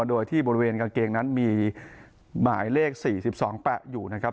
โดยที่บริเวณกางเกงนั้นมีหมายเลข๔๒แปะอยู่นะครับ